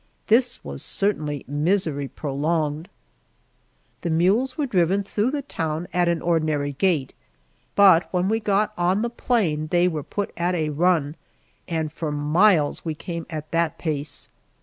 This was certainly misery prolonged. The mules were driven through the town at an ordinary gait, but when we got on the plain they were put at a run, and for miles we came at that pace.